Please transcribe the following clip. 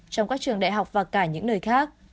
trong các trường đại học và cả những nơi khác